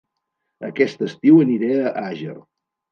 Aquest estiu aniré a Àger